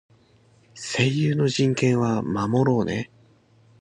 声優の人権は守ろうね。